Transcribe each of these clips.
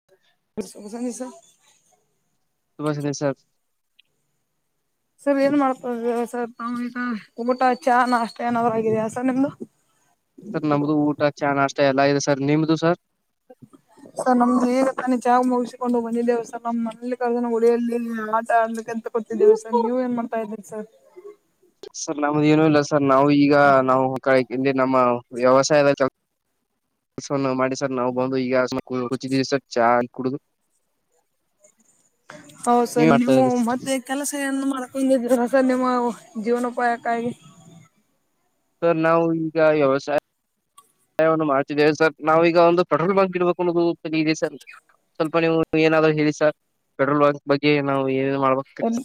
[unintelligible] ತುಬಾಸಿನ್ sir sir ಏನ್ ಮಾಡ್ತ ಇದ್ದೀರಾ ಸರ್ ಈ ಊಟ ಚ ನಾಷ್ಟ ಏನಾದ್ಗಿದೆಯಾ ಸರ್ ನಿಮ್ದು [inaudible] ಸರ್ ನಮ್ದು ಊಟ ಚಾ ನಾಸ್ಟಾ ಎಲ್ಲಾ ಇದೆ ಸರ್ ನಿಮ್ದು ಸರ್ [inaudible] ಸರ್ ನಮ್ದ ಈಗ ತಾನೆ ಚಾ ಮುಗಿಸಿಕೊಂಡು ಬಂದಿದ್ದೇವೆ ಸರ್ ನಮ್ಮ್ ಮನಲಿ ಕರ್ದ್ರು ಉಳಿಯಲ್ಲಿಲ್ಲ ಆಟ ಆಡೋಕೆ ಅಂತ ಕೂತಿದ್ದೇವೆ ಸರ್ ನೀವ ಏನ್ ಮಾಡ್ತಾ ಇದೀರಿ ಸರ್ ಸರ್ ನಮ್ದ ಏನು ಇಲ್ಲ ಸರ್ ನಾವು ಈಗ ನಾವು ಕಾಯ್ಕಿದಿ ನಮ್ಮ ವ್ಯವಸಾಯದ ಸರ್ ನಾವು ಮಾಡಿ ಸರ್ ನಾವು ಬಂದು ಈಗ ಸುಮ್ನೆ ಕೂತಿದೀನಿ ಸರ್ ಚಾ ಅಲ್ಲಿ ಕುಡುದು ಹೌ ಸರ್ ನೀವ್ ಮಾಡ್ತಾ ನೀವು ಇದ್ರಿ ಸರ್ ಮತ್ತೆ ಕೆಲಸನ್ನ ಏನ್ ಮಾಡ್ಕೊಂಡಿದ್ರಸ ನಿಮ್ಮ ಜೀವನೋಪಾಯಕ್ಕಾಗಿ ಸರ್ ನಾವು ಈಗ ವ್ಯವಸಾಯ ನಾವು ವ್ಯವಸಾಯವನ್ನು ಮಾಡ್ತಿದ್ದೇವೆ ಸರ್ ನಾವವು ಈಗ ಒಂದು ಪೆಟ್ರೋಲ್ ಬಂಕ್ ಇಡ್ಬೇಕು ಅನ್ನೋದು ಚಲ ಇದೆ ಸರ್ ಸ್ವಲ್ಪ ನೀವು ಏನಾದ್ರು ಹೇಳಿ ಸರ್ ಪೆಟ್ರೋಲ್ ಬಂಕ್ ಬಗ್ಗೆ ನಾವು ಏನೆನ್ ಮಾಡಬೇಕ್ ಒನ್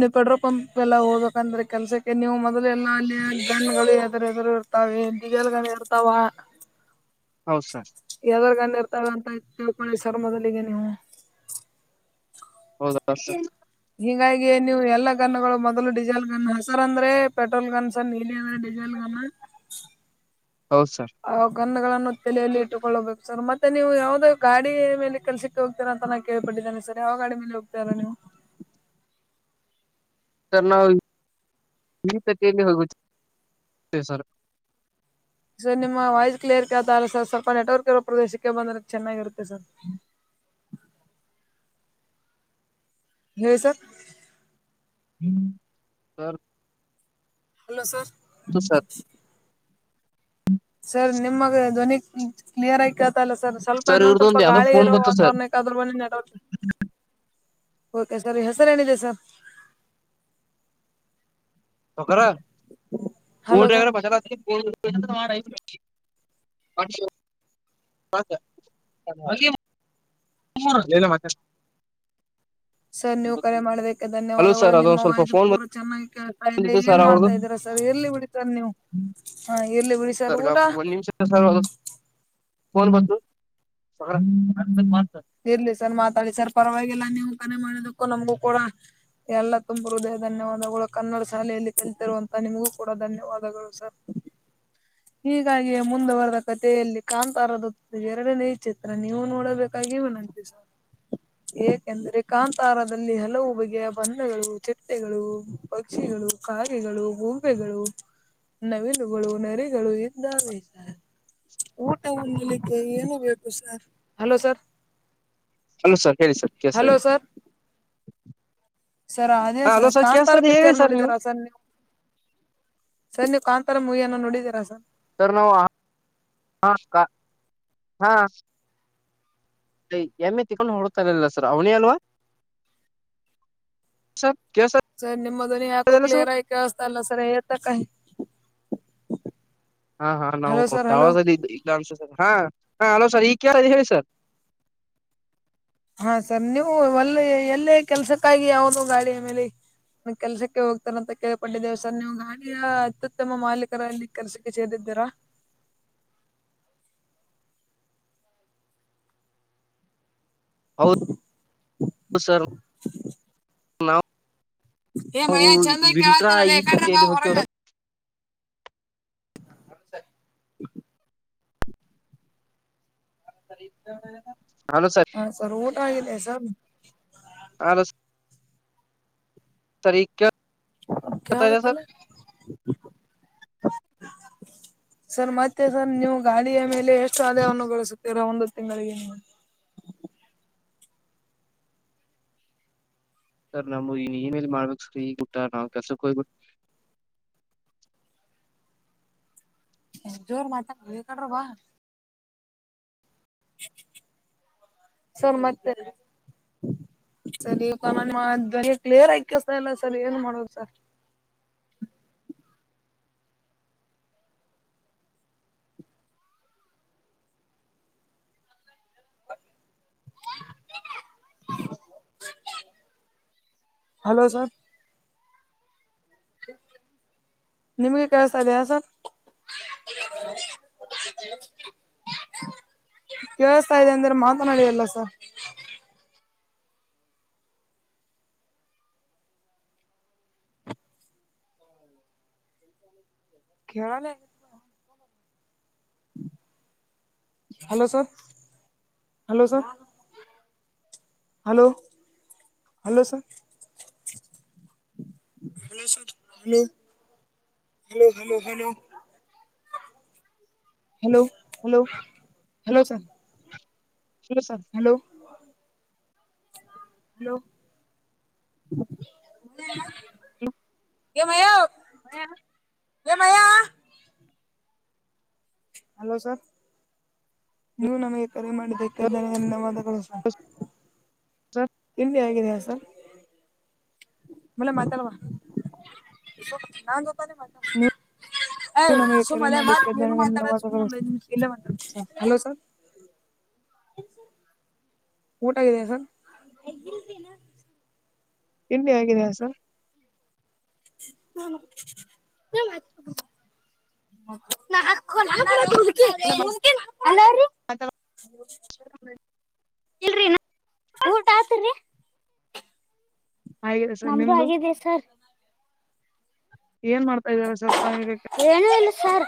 ನೀವು ಪೆಟ್ರೋಲ್ ಪಂಪ್ ಎಲ್ಲ ಹೋಗ್ಬೇಕಂದ್ರೆ ಕೆಲ್ಸಕ್ಕೆ ನೀವು ಮೊದ್ಲ್ಲ ಎಲ್ಲ ಅಲ್ಲಿ ಜನಗಳು ಹೆದ್ರದ್ರ ತಾವೇನ್ ಡಿ ಎಲ್ ಗಳೂ ಇರ್ತಾವ ಹೌದ್ ಸರ್ ಎದ್ದ್ರ ಗಂಡ್ಣ ಇರ್ತಾವ ಅಂತ ತಿಳ್ಕೊಳ್ಳಿ ಸರ್ ಮೊದಲಿಗೆ ನೀವು ಹೌದ್ ಅಲ್ಲ ಸರ್ ಹೀಗಾಗಿ ನೀವು ಎಲ್ಲಾ ಗನ್ನಗಳು ಮೊದಲು ಡೀಸೆಲ್ ಗನ್ ಹ ಸರ್ ಅಂದ್ರೆ ಪೆಟ್ರೋಲ್ ಗನ್ ಸಣ ನೀಲಿದಾ ಡಿಜಲ್ ಗನ್ ಹಾ ಹೌದು ಸರ್ ಆ ಗನ್ನಗಳನ್ನು ತಲೆಯಲ್ಲಿ ಇಟ್ಟುಕೊಳ್ಳಬೇಕು ಸರ್ ಮತ್ತೆ ನೀವು ಯಾವವುದೋ ಗಾಡಿ ಮೇಲೆ ಕೆಲ್ಸಕ್ಕೆ ಹೋಗ್ತಾರಾಂತ ನಾ ಕೇಳಪಟ್ಟಿದ್ದೇನೆ ಸರ್ ಯಾವ ಗಾ ಮೇಲೆ ಹೋಗತಾರಾ ನೀವು ಸರ್ ನಾವು ಈತ ಕ್ಕೆ ಹೋಗತೀವಿ ಸರ್ ಸರ್ ನಿಮ್ಮ ವಾಯ್ಸ್ ಕ್ಲಿಯರ್ ಕೇಳ್ತಿಲ್ಲ ಸರ್ ಸ್ವಲ್ಪ ನೆಟ್ವರ್ಕ್ ಇರೋ ಪ್ರದೇಶಕ್ಕೆ ಬಂದ್ರೆ ಚೆನ್ನಾಗಿರುತ್ತೆ ಸರ್ ಹೇಳಿ ಸರ್ ಹ್ಮ್ ಸರ್ ಹಲೋ ಸರ್ ಹೌದು ಸರ್ ಸರ್ ನಿಮ್ಮ ಧ್ವನಿ ಕ್ಲಿಯರ್ ಆಗಿ ಕೇಳ್ತಿಲ್ಲ ಸರ್ ಸ್ವಲ್ಪ ಇನ್ನೊಂದ್ ಸ್ವಲ್ಪ ಇವ್ರದೊಂದು ಯಾವ್ದೋ ಗಾಳಿ ಫೋನ್ ಇರೋ ಗೊತ್ತು ಸರ್ ವಾತಾವರಣಕ್ಕೆ ಕದ್ರ ಮಣಿ ನೆಟ್ವರ್ಕ್ ಓಕೆ ಸರ್ ಹೆಸರು ಏನಿದೆ ಸರ್ ತಕೊರೆ ಹಲೋ ಸರ್ [unintelligible] [unintelligible] ನಿಮ್ಮೂರು ನೀನೇ ಮಾತಾಡ್ಸು ಸರ್ ನೀವು ಕರೆ ಮಾಡದಕ್ಕೆ ಹಲೋ ಧನ್ಯವಾದಗಳು ಸರ್ ನಿಮ್ಮ ಅದೊಂದ್ ಸ್ವಲ್ಪ ವಾಯಸು ಫೋನ್ ಪೂರಾ ಚೆನ್ನಾಗಿ ಕೇಳ್ ಅದೆ ಬಂದಿತ್ತು ಏನ್ ಸರ್ ಅವ್ರದ್ದು ಮಾಡ್ತಾ ಇದ್ದೀರಾ ಸರ್ ಇರ್ಲಿ ಬಿಡಿ ಸರ್ ನೀವು ಹ ಇರ್ಲಿ ಬಿಡಿ ಸರ್ ಊಟ [unintelligible] ಫೋನ್ ಬಂತು ಇರ್ಲಿ ಸರ್ ಮಾತಾಡಿ ಸರ್ ಪರವಾಗಿಲ್ಲ ನೀವು ಕರೆ ಮಾಡದಕ್ಕೂ ನಮ್ಗೂ ಕೂಡ ಎಲ್ಲಾ ತುಂಬ ಹೃದಯ ಧನ್ಯವಾದಗಳು ಕನ್ನಡ ಶಾಲೆಯಲ್ಲಿ ಕಲ್ತಿರುವಂತ ನಿಮಗೂ ಕೂಡ ಧನ್ಯವಾದಗಳು ಸರ್ ಹೀಗಾಗಿಯೇ ಮುಂದುವರೆದ ಕಥೆಯಲ್ಲಿ ಕಾಂತಾರದ ಎರಡನೇ ಚಿತ್ರ ನೀವು ನೋಡಬೇಕು [unintelligible] ನೀವು ಏಕೆಂದ್ರೆ ಕಾಂತಾರದಲ್ಲಿ ಹಲವು ಬಗೆಯ ಬಣ್ಣಗಳು ಚಿಟ್ಟೆಗಳು ಪಕ್ಷಿಗಳು ಕಾಗೆಗಳು ಗೂಬೆಗಳು ನವಿಲುಗಳು ನರಿಗಳು ಇದ್ದಾವೇ ಊಟ ಉಣಲಿಕ್ಕೆ ಏನು ಬೇಕು sir hello sir hello sir ಹೇಳಿ ಸರ್ ಕೇಳಿಸ್ತಾ ಹಲೋ ಇದೆ ಸರ ಅದೇ ಸರ್ ಕಾಂತಾರ ಪಿಕ್ಚರ್ ನೋಡಿದಾರ ಸರ್ ನೀವು ಸರ್ ನೀವು ಕಾಂತಾರ ಮೂವಿಯನ್ನು ನೋಡಿದೀರಾ ಸರ್ ಸರ್ ನಾವು ಹ ಹಾ ಎಮ್ಮೆ ತಕೊಂಡ್ ಹೋಗತಾರಲ್ಲ ಸರ್ ಅವನೇ ಅಲ್ವಾ ಸರ ಸರ್ ನಿಮ್ಮ ದ್ವನಿ ಯಾಕೋ ಕ್ಲಿಯರ್ ಆಗಿ ಕೇಳಸ್ತಾ ಇಲ್ಲ ಸರ್ ಏತಕ್ಕ ನಾವು ಟವರ್ ದಲ್ಲಿ ಇಲ್ಲ ಅನ್ಸುತ್ತೆ ಹಾ ಹಲೋ ಸರ್ ಈಗ ಹೇಳಿ ಸರ್ ಹಾ ಸರ್ ನೀವು ಒಲ್ಲ ಎಲ್ಲೇ ಕೆಲ್ಸಕ್ಕಾಗಿ ಯಾವದು ಗಾಡಿಯ ಮೇಲೆ ಕೆಲ್ಸಕ್ಕೆ ಹೋಗ್ತೀರ ಅಂತ ಕೇಳ್ಪಟ್ಟೆದೇವೆ ಸರ್ ನೀವು ಅಲ್ಲಿಯ ಅತ್ಯುತ್ತಮ ಮಾಲೀಕರಲ್ಲಿ ಕೆಲಸಕ್ಕೆ ಸೇರಿದ್ದೀರಾ ಹೌದು ಸರ್ ಏ ಮಯ ನಾವು ಚಂದ ವಿಂಟ್ರಾ ಕೇಳತ್ತಲ್ಲ ಈ ಕಡ್ರಿ ಬಾ ತಟ್ಟೇಲಿ ಹೊರಗ ಹೊಕ್ಕಿವಿ [unintelligible] [unintelligible] ಹಲೋ ಸರ್ ಹಾ ಸರ್ ಊಟ ಆಗಿದೆ ಸರ್ [unintelligible] ಆ ತಸರ್ ಈಗ ಕೇಳುತ್ತಿದೆ ಕೇಳಾಕತ್ತೈತಿ ಇಲ್ಲ ಸರ್ ಮತ್ತೆ ಸರ್ ನೀವು ಗಾಡಿಯ ಮೇಲೆ ಎಷ್ಟು ಆದಾಯವನ್ನು ಗಳಸುತ್ತೀರಾ ಒಂದು ತಿಂಗಳಿಗೆ ನೀವು ಸರ್ ನಮ್ ಇನ್ ಏನೇಲಿ ಮಾಡ್ಬೇಕು ಸರ್ ಈಗ್ಬಿಟ್ಟಾ ನಾವ್ ಕೆಲ್ಸಕ್ ಹೋಗ್ಬಿಟ್ಟ ಸ್ವಲ್ಪ ಜೋರ ಮಾತಾಡ ಲೇ ಈ ಕಡೆರ ಬಾ ಸರ್ ಮತ್ತೆ ಸರ್ ನಿಮ್ಮ ದ್ವನಿ ಕ್ಲಿಯರ್ ಆಗಿ ಕೇಳತಾ ಇಲ್ಲ ಸರ್ ಏನು ಮಾಡೋದು ಸರ್ [unintelligible] ಹಲೋ ಸರ್ ನಿಮ್ಗೆ ಕೇಳಸ್ತಾ ಇದೆಯಾ ಸರ್ ಕೇಳಸ್ತಾ ಇದೆ ಅಂದ್ರೆ ಮಾತನಾಡಿ ಅಲ್ಲ sir [inaudible] ಕೇಳಾಲ hello sir hello sir hello hello sir hello sir hello hello hello hello hello hello sir ಹೇಳಿ ಸರ್ ಹಲೋ ಹಲೋ ಹೇ ಮ್ಮಯಾ ಮಹ್ಯ ಏ ಮಹ್ಯ ಹಲೋ ಸರ್ ನೀವು ನಮಗೆ ಕರೆ ಮಾಡಿದಕ್ಕೆ ಜನ ಧನ್ಯವಾದಗಳು ಸರ್. ಸರ್ ತಿಂಡಿ ಆಗಿದೇಯಾ ಸರ್? [unintelligible] [unintelligible] ನೀವು ನಮಗೆ ಕರೆ ಮಾಡಕ್ಕೆ ಧನ್ಯವಾದಗಳು ಹಲೋ ಸರ್ ಊಟ ಆಗಿದೆಯಾ ಸರ್? ತಿಂಡಿ ಆಗಿದೆಯಾ ಸರ್? [unintelligible] [unintelligible] ಅಲ್ಲರಿ [unintelligible] ಊಟ ಆತ್ರಿ,? ಹಾಗಿದೆ ಸರ್ ನಮ್ದೂ ನಿಮ್ದು ಆಗಿದೆ ಸರ್. ಏನ್ ಮಾಡ್ತಾ ಇದ್ದಾರೆ [unintelligible] ಏನು ಇಲ್ಲ ಸರ್.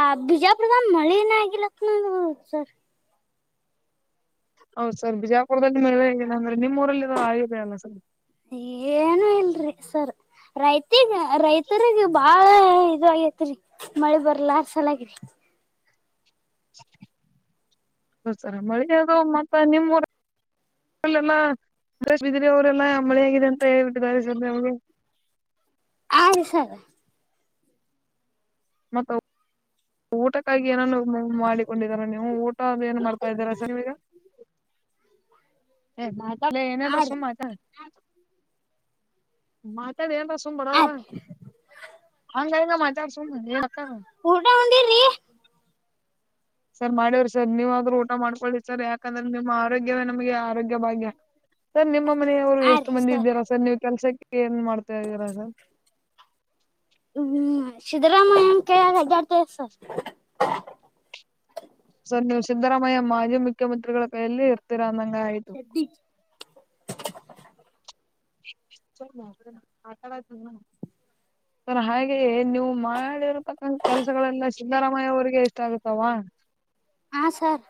ಆ ಬಿಜಾಪುರ್ದಾಗ್ ಮಳಿನ ಆಗಿಲತ್ ನೋ ನ ಸರ್. ಹೌದ ಸರ್ ಬಿಜಾಪುರದಲ್ಲಿ ಮಳಿ ಆಗಿಲ್ಲ ಅಂದ್ರೆ ನಿಮ್ಮ ಊರಲ್ಲಿನೂ ಆಗಿದೆ ಅಲ್ ಸರ್. ಎ ಏನು ಇಲ್ರಿ ಸರ್. ರೈತಿಗ ರೈತರಿಗ ಭಾಳ ಇದು ಆಗೇತ್ರಿ. ಮಳಿ ಬರ್ಲಾರ್ದ ಸಲಾಗ್ರಿ. ಹ ಸರ್ ಮಳಿನೇ ಅದು ಮತ್ತ ನಿಮ್ಮ ಊರ್ ಅಲ್ಲೆಲ್ಲ ಮಹೇಶ್ ಬಿದಿರಿ ಅವರೆಲ್ಲಾ ಮಳೆ ಆಗಿದೆ ಅಂತ ಹೇಳ್ಬಿಟ್ಟಿದ್ದಾರೆ ಸರ್ ನಮ್ಗೆ. ಆ ರಿ ಸರ್. ಮತ್ತ ಊಟಕ್ಕಾಗಿ ಏನನು ಮಾಡಿಕೊಂಡಿದೀರಾ ನೀವು ಊಟ ಅದು ಏನ್ ಮಾಡ್ತಾ ಇದೀರಾ ನೀವ್ ಈಗ್. ಏ ಮಾತಾಡ್ಲೇ ಏನ್ ಏನ್ರ ಆ ರೀ ಸುಮ್ಮ ಮಾತಾಡ. ಮಾತಾಡ ಏನ್ರಾ ಸುಮ್ ಬರ ಆ ಬರ ರೀ ಹಂಗ ಹಿಂಗ್ ಮಾತಾಡ್ ಸುಮ್ಮ ಏ ಮಾತಾಡ. ಊಟ ಉಂಡಿರಿ? ಸರ್ ಮಾಡೇವ್ರಿ ಸರ್ ನೀವ ಆದ್ರೂ ಊಟ ಮಾಡ್ಕೊಳ್ಳಿ ಸರ್ ಯಾಕಂದ್ರೆ ನಿಮ್ಮ ಆರೋಗ್ಯವೇ ನಮ್ಗೆ ಆರೋಗ್ಯ ಭಾಗ್ಯ. ಸರ್ ನಿಮ್ಮ ಮನೆಯವರು ಆ ಎಷ್ಟು ರೀ ಮಂದಿ ಇದ್ದೀರಾ ಸರ್ ನೀವು ಕೆಲ್ಸಕ್ಕೆ ಏನ್ ಮಾಡ್ತ ಇದ್ದೀರಾ ಸರ್? ಹ್ಮ್ ಸಿದ್ದರಾಮಯ್ಯನ್ ಕೈಯಾಗ ಅಡ್ಯಾಡ್ತೇವ ಸರ್. ಸರ್ ನೀವು ಸಿದ್ದರಾಮಯ್ಯ ಮಾಜಿ ಮುಖ್ಯಮಂತ್ರಿಗಳ ಕೈಯಲ್ಲಿ ಇರ್ತೀರ ಅಂದಂಗ ಆಯ್ತು. ಶೆಡ್ಡಿಗ್ [unintelligible] [unintelligible] ಸರ್ ಹಾಗೆ ನೀವು ಮಾಡಿರ್ತಕ್ಕಂತ ಕೆಲ್ಸಗಳೆಲ್ಲ ಸಿದ್ದರಾಮಯ್ಯ ಅವ್ರಿಗೆ ಇಷ್ಟ ಆಗತ್ತವಾ? ಹಾ ಸರ್.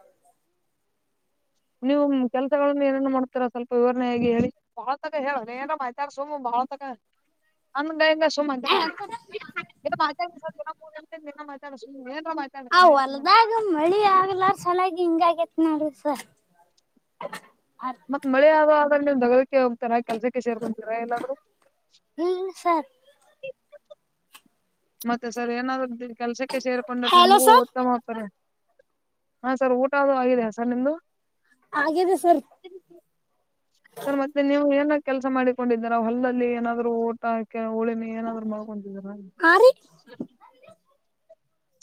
ನೀವು ಕೆಲ್ಸಗಳನ್ನ ಏನನ್ನ ಮಾಡ್ತೀರಾ ಸ್ವಲ್ಪ ವಿವರಣೆ ಆಗಿ ಹೇಳಿ. ಭಲೋತಕಾ ಹೇಳಲೆ ಏನ್ರ ಮಾತಾಡ ಸುಮ್ ಭಾಳೊತಕಾ ಹಂಗ್ ಹಿಂಗ್ ಸುಮ್ [unintelligible] ಆ ಹೊಲ್ದಾಗ ಮಳಿ ಆಗ್ಲಾರ್ ಸಾಲ್ಯಾಗ್ ಹಿಂಗ ಆಗೇತ್ ನೋಡಿ ಸರ್. ಮತ್ತ ಮಳಿ ಅದು ಆದ್ರ ದಗದಕ್ಕೆ ಹೋಗ್ತಿರಾ ಕೆಲ್ಸಕ್ಕೆ ಸೇರ್ಕೊಂತೀರಾ ಎಲ್ಲಾದ್ರೂ? ಹ್ಮ್ ಸರ್. ಮತ್ತೆ ಸರ್ ಏನಾದ್ರೂ ಕೆಲ್ಸಕ್ಕೆ ಸೇರ್ಕೊಂಡ್ರ ಹಲೋ ನಮಗೂ ಸರ್ ಉತ್ತಮ [unintelligible] ಹಾ ಸರ್ ಊಟ ಅದು ಆಗಿದೆಯಾ ಸರ್ ನಿಮ್ದು? ಆಗಿದೆ ಸರ್. ಸರ್ ಮತ್ತೆ ನೀವು ಏನ ಕೆಲಸ ಮಾಡಿಕೊಂಡಿದ್ದರ ಹೊಲ್ಲದಲ್ಲಿ ಏನಾದ್ರು ಊಟಕ ಉಳಿಮೆ ಏನಾದ್ರರು ನೋಡ್ಕೊಂಡಿದೀರಾ ಹಾ ರೀ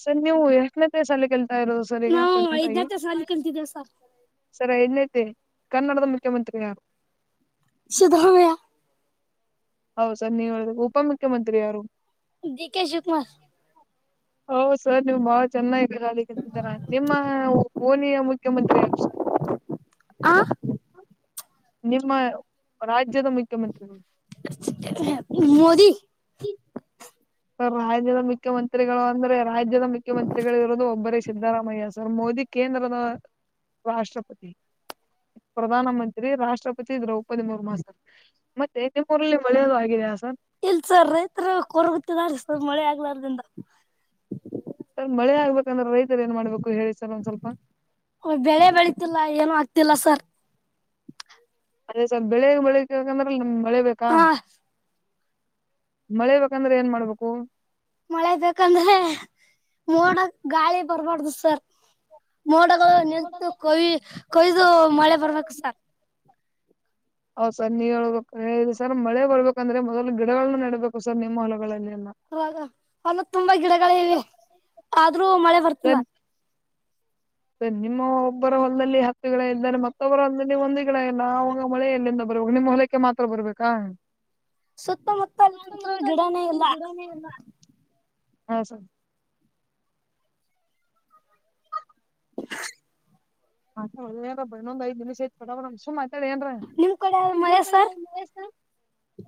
ಸರ್ ನೀವು ಎಷ್ಟನೇತ್ತೇ ಸಾಲ ಕೇಳ್ತಾ ಇರೋದು ಸರ್ ಈಗ ನಾವು ಪ್ರಸೆಂಟ್ ಆಗಿ ಐದನೇ ಸಾಲಿ ಕಲ್ತಿದ್ದೇವೆ ಸರ್ ಸರಿ ಐನಂತೆ ಕನ್ನಡದ ಮುಖ್ಯಮಂತ್ರಿ ಯಾರು. ಸುದವಯಾ ಹೌ ಸರ್ ನೀವ್ ಹೇಳ ಉಪ ಮುುಖ್ಯಮಂತ್ರಿ ಯಾರು. D K Shivakumar. ಹೌ ಸರ್ ನೀವ್ ಬಾಳ ಚೆನ್ನಾಗಿ ತರಾ ನಿಮ್ಮ ಓನಿಯ ಮುಖ್ಯಮಂತ್ರಿ ಯ ಸರ್. ಆ ನಿಮ್ಮ ರಾಜ್ಯದ ಮುಖ್ಯಮಂತ್ರಿಗಳು. ಮೋದಿ ರಾಜ್ಯದ ಮುಖ್ಯಮಂತ್ರಿಗಳು ಅಂದ್ರೆ ರಾಜ್ಯದ ಮುಖ್ಯಮಂತ್ರಿಗಳು ಇರೋದು ಒಬ್ಬರೇ. ಸಿದ್ದರಾಮಯ್ಯ ಸರ್ ಮೋದಿ ಕೇಂದ್ರದ ರಾಷ್ಟ್ರಪತಿ. ಪ್ರಧಾನ ಮಂತ್ರಿ ರಾಷ್ಟ್ರಪತಿ ದ್ರೌಪದಿ ಮುರ್ಮು ಸರ್. ಮತ್ತೆ ನಿಮ್ಮ ಊರಲ್ಲಿ ಮಳೆಯದು ಆಗಿದಯಾ ಸರ್. ಇಲ್ಲ ಸರ್ ರೈತರ ಕೊರ್ಗತ್ತಿದಿದ್ದಾರೆ ಸರ್ ಮಳೆ ಆಗ್ಲಾರದಿಂದ. ಸರ್ ಮಳೆ ಆಗ್ಬೇಕಂದ್ರೆ ರೈತರು ಏನ್ ಮಾಡ್ಬೇಕು ಹೇಳಿ ಸರ್ ಒಂದ್ ಸ್ವಲ್ಪ. ಬೆಳೆ ಬೆಳಿತಿಲ್ಲಾ ಏನು ಆಗ್ತಿಲ್ಲ ಸರ್. ಅದೇ ಸರ್ ಬೆಳಿ ಬೆಳಿಕಂದ್ರ ನಿಮ್ ಮಳೆ ಬೇಕಾ. ಹಾ ಮಳೆ ಬೇಕಂದ್ರ ಏನ್ ಮಾಡ್ಬೇಕು. ಮಳೆ ಬೇಕಂದ್ರ ಮೋಡಕ್ ಗಾಳಿ ಬರ್ಬಾರ್ದು ಸರ್. ಮೋಡಗಳು ನಿತ್ತು ಕೊಯ ಕೊಯ್ದು ಮಳೆ ಬರ್ಬೇಕು ಸರ್. ಹೌದ್ ಸರ್ ನೀವ ಹೇಳೋದು ಕರೆ ಸರ್ ಮಳೆ ಬರ್ಬೇಕಂದ್ರೆ ಮೊದಲು ಗಿಡಗಳನ್ನ ನೇಡ್ಬೇಕು ಸರ್ ನಿಮ್ಮ ಹೊಲಗಳಲ್ಲ ಎಲ್ಲಾ. ಅವಗ ಹೊಲ್ದ ತುಂಬಾ ಗಿಡಗಳ ಇವೆ ಆದ್ರೂ ಮಳೆ ಬರ್ತಲ್ಲ. ಸ ನಿಮ್ಮ ಒಬ್ಬರ ಹೊಲದಲ್ಲಿ ಹತ್ತು ಗಿಡ ಇದ್ದೆ ಮತ್ತೊಬ್ಬರ ಹೊಲ್ದದಲ್ಲಿ ಒಂದು ಗಿಡಲ್ಲ ನಾಗ ಮಳೆ ಎಲ್ಲಿಂದ ಬರುವಾಗ ನಿಮ್ಮ ಹೊ ಕ್ಕೆ ಮಾತ್ರ ಬರ್ಬೇಕಾ. ಸುತ್ತಮುತ್ತಲ ಅಂತ್ರು ಗಿಡನೇ ಇಲ್ಲ. ನೇ ಇಲ್ಲ. ಹಾ ಸ ಹಾ ಬೈ ಇನೋಂದ ಐ ನಿಮಿಷ ಐತಿ ಪಟಾ ಪಟಾ ಏನ್ರ ನಿಮ್ ಕಡೆ ಮಳೆ ಸರ್ [unintelligible]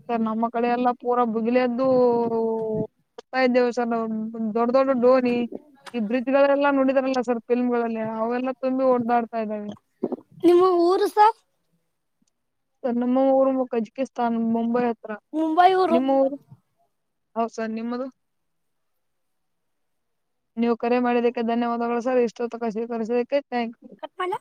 ಸರ್ ನಮ್ಮ ಕಡೆೆಯೆಲ್ಲಾ ಪೂರಾ ಬುಗಿಲೆದ್ದು ಹರ್ತಾ ಇದ್ದೇವೆ. ಸರ್ ದೊಡ್ಡ ದೊಡ್ಡ ಡೋನಿ ಈ ಬ್ರಿಜ್ ಗಳೆಲ್ಲಾ ನೋಡಿದಾರಲ್ಲ ಸರ್. ಫಿಲ್ಮಗಳಲ್ಲಿ ಅವೆಲ್ಲ ತುಂಬಿ ಓಡದಾಡ್ತಾ ಇದ್ದಾವೆ. ನಿಮ್ಮ ಊರು ಸರ್. ಸರ್ ನಮ್ಮ ಊರು ಕಜಿಕಿಸ್ತಾನ್ ಮುಂಬೈ ಹತ್ರ ನಿಮ್ಮ ಊರು. ಹೌ ಸರ್ ನಿಮ್ಮದು. ನೀವು ಕರೆ ಮಾಡಿದಕ್ಕೆ ಧನ್ಯವಾದಗಳು ಸರ್ ಇಷ್ಟೊತ್ತಕ ಸಿಕರಿಸಕ್ಕೆ ಥಾಂಕ್ ಯು. [unintelligible] ಪಾಲಾ